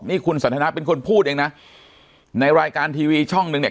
นี่คุณสันทนาเป็นคนพูดเองนะในรายการทีวีช่องนึงเนี่ย